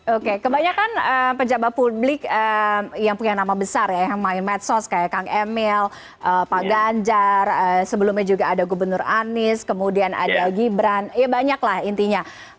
oke kebanyakan pejabat publik yang punya nama besar ya yang main medsos kayak kang emil pak ganjar sebelumnya juga ada gubernur anies kemudian ada gibran ya banyaklah intinya